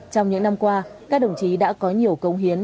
trong những năm qua các đồng chí đã có nhiều công hiến